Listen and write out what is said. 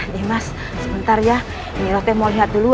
nimas sebentar ya niro aku mau lihat dulu